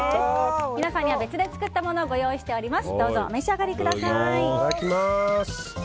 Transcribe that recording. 皆さんには別で作ったものをご用意しております。